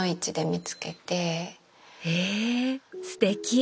へえすてき。